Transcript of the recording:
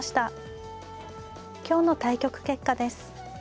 今日の対局結果です。